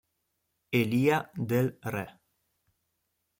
Elia Del Re